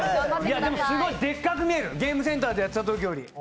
でもすごいでっかく見えるゲームセンターでやったときより。